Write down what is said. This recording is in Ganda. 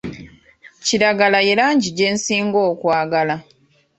Kiragala ye langi gye nsinga okwagala.